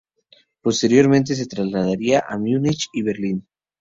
Posteriormente se trasladaría a Múnich y Berlín.